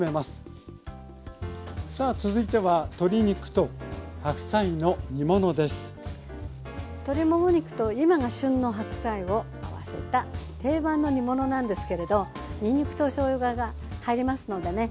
さあ続いては鶏もも肉と今が旬の白菜を合わせた定番の煮物なんですけれどにんにくとしょうがが入りますのでね